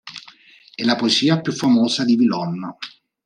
È la poesia più famosa di Villon.